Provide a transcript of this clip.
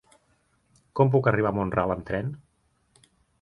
Com puc arribar a Mont-ral amb tren?